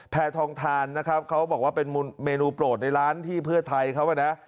แพทองทานนะครับเขาบอกว่าเป็นเมนูโปรดในร้านที่เพื่อไทยเขาอ่ะนะ